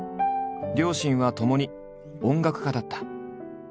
両親はともに音楽家だった。